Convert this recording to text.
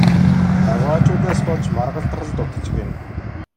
Авгайчуудаас болж маргалдах л дутаж гэнэ.